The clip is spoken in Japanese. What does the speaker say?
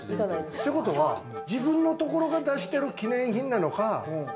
てことは、自分のところが出してる記念品なのか。